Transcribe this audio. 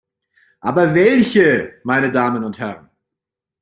Aber welche, meine Damen und Herren?